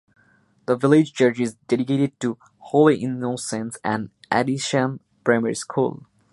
The village church is dedicated to "Holy Innocents" and Adisham primary school.